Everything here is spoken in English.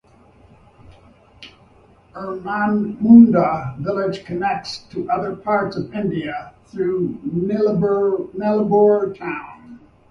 Erumamunda village connects to other parts of India through Nilambur town.